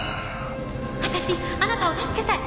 私あなたを助けたい。